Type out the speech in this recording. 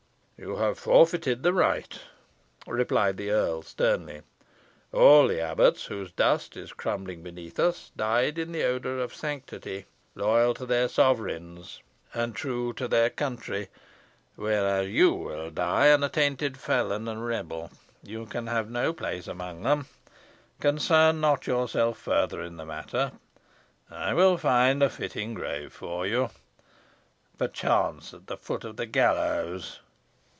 "You have forfeited the right," replied the earl, sternly. "All the abbots, whose dust is crumbling beneath us, died in the odour of sanctity; loyal to their sovereigns, and true to their country, whereas you will die an attainted felon and rebel. You can have no place amongst them. Concern not yourself further in the matter. I will find a fitting grave for you, perchance at the foot of the gallows."